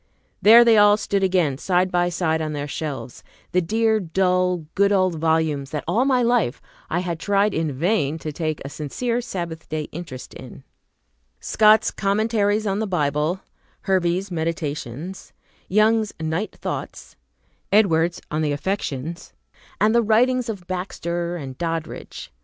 There they all stood again side by side on their shelves, the dear, dull, good old volumes that all my life I had tried in vain to take a sincere Sabbath day interest in, Scott's Commentaries on the Bible, Hervey's "Meditations," Young's "Night Thoughts," "Edwards on the Affections," and the Writings of Baxter and Doddridge.